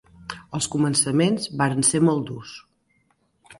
Els començaments varen ser molt durs.